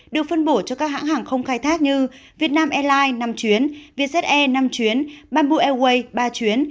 được phân bổ cho các hãng hàng không khai thác như vietnam airlines năm chuyến vietjet air năm chuyến bamboo airways ba chuyến